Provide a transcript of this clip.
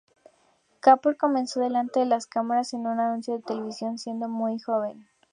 Kapoor comenzó delante de las cámaras en un anuncio de televisión siendo muy joven.